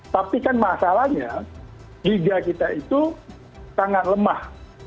tapi kan masalahnya giga kita itu sangat lemah